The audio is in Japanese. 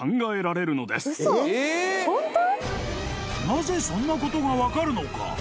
［なぜそんなことが分かるのか］